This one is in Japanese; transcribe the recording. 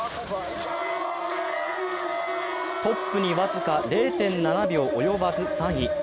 トップに僅か０．７秒及ばず、３位。